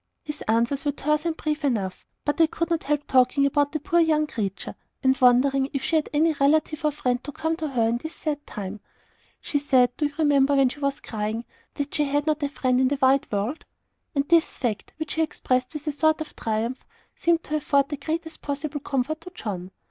His answers were terse and brief enough, but I could not help talking about the poor young creature, and wondering if she had any relative or friend to come to her in this sad time. "She said do you remember, when she was crying that she had not a friend in the wide world?" And this fact, which he expressed with a sort of triumph, seemed to afford the greatest possible comfort to John.